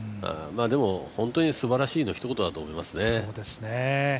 でも本当にすばらしいの一言だと思いますね。